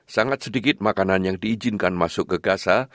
sangat sedikit makanan yang diizinkan masuk ke gaza